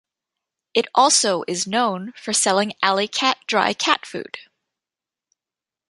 It also is known for selling Alley Cat dry cat food.